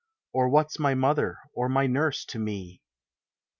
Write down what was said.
Or what 's my mother or my nurse to me?